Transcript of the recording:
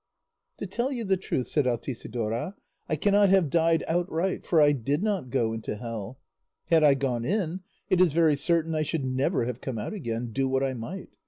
"To tell you the truth," said Altisidora, "I cannot have died outright, for I did not go into hell; had I gone in, it is very certain I should never have come out again, do what I might.